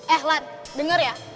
eh lan denger ya